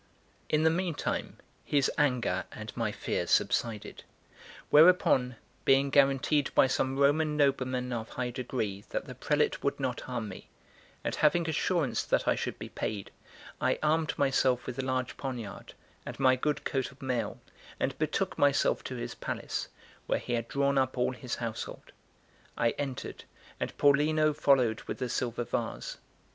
In the meantime, his anger and my fear subsided; whereupon, being guaranteed by some Roman noblemen of high degree that the prelate would not harm me, and having assurance that I should be paid, I armed myself with a large poniard and my good coat of mail, and betook myself to his palace, where he had drawn up all his household. I entered, and Paulino followed with the silver vase.